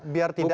biar tidak ada